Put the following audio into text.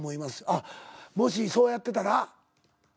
あっもしそうやってたら？